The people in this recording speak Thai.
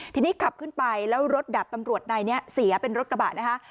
ทีนี้ขับขึ้นไปแล้วรถดาบตำรวจนายนี้เสียเป็นรถกระบะนะคะ